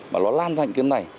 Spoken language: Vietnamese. mà nó lan dành cái này